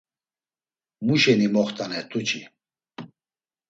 Muşeni moxt̆anert̆u çi?